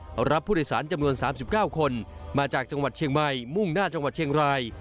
เขารับผู้โดยสารจำนวน๓๙คนมาจากจังหวัดเชียงใหม่มุ่งหน้าจังหวัดเชียงราย